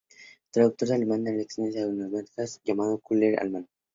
Traductor al alemán de sus "Lecciones de Anatomía Comparada", fue llamado el "Cuvier alemán".